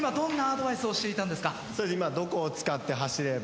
今どこを使って走れば。